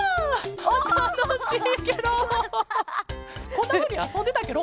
こんなふうにあそんでたケロ？